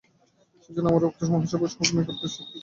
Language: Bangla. সেইজন্য আমরাও উক্ত মহাসভার সভ্যগণের নিকট বিশেষ কৃতজ্ঞ।